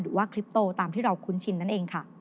หรือว่าคลิปโตตามที่เราคุ้นชินนั่นเองค่ะ